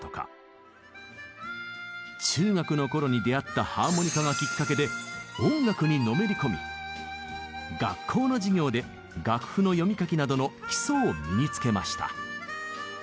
中学のころに出会ったハーモニカがきっかけで音楽にのめり込み学校の授業で楽譜の読み書きなどの基礎を身につけました。